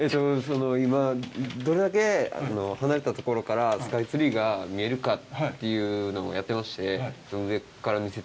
今どれだけ離れた所からスカイツリーが見えるかっていうのをやってまして。